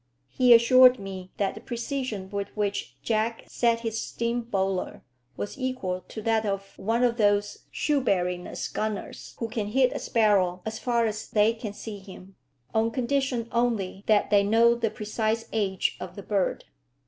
He assured me that the precision with which Jack set his steam bowler was equal to that of one of those Shoeburyness gunners who can hit a sparrow as far as they can see him, on condition only that they know the precise age of the bird.